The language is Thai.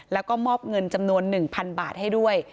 แล้วก็มอบเงินจำนวน๑๐๐๐บาทให้ด้วย